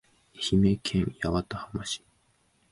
愛媛県八幡浜市